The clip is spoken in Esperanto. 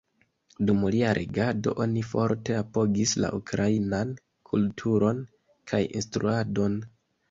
Dum lia regado, oni forte apogis la ukrainan kulturon kaj instruadon.